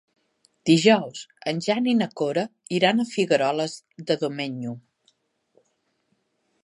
Dijous en Jan i na Cora iran a Figueroles de Domenyo.